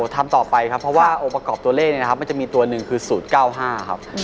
ทำต่อไปครับเพราะว่าองค์ประกอบตัวเลขเนี่ยนะครับมันจะมีตัวหนึ่งคือ๐๙๕ครับ